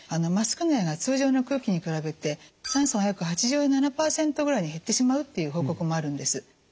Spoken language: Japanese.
マスク内は通常の空気に比べて酸素が約８７％ぐらいに減ってしまうという報告もあるんです。